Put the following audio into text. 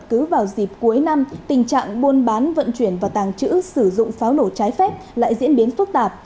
cứ vào dịp cuối năm tình trạng buôn bán vận chuyển và tàng trữ sử dụng pháo nổ trái phép lại diễn biến phức tạp